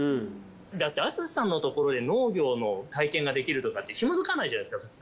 だって淳さんのところで農業の体験ができるとかって紐づかないじゃないですか普通。